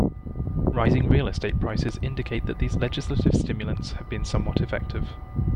Rising real estate prices indicate that these legislative stimulants have been somewhat effective.